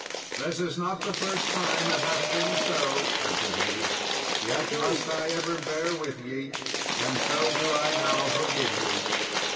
"This is not the first time it hath been so," answered he; "yet must I ever bear with ye, and so do I now forgive you."